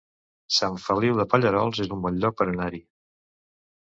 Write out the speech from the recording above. Sant Feliu de Pallerols es un bon lloc per anar-hi